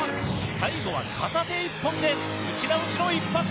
最後は片手一本で打ち直しの一発。